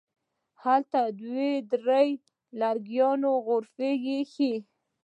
همدلته دوه درې لرګینې غرفې ایښي.